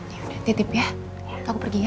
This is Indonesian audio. ya udah tipe tipe ya aku pergi ya